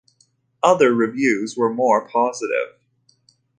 Other reviews were more positive.